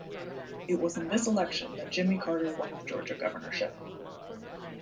It was in this election that Jimmy Carter won the Georgia governorship.